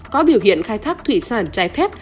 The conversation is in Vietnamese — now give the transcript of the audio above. có biểu hiện khai thác thủy sản trái phép